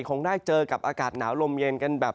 คงได้เจอกับอากาศหนาวลมเย็นกันแบบ